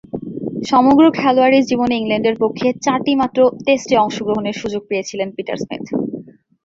সমগ্র খেলোয়াড়ী জীবনে ইংল্যান্ডের পক্ষে চারটিমাত্র টেস্টে অংশগ্রহণের সুযোগ পেয়েছিলেন পিটার স্মিথ।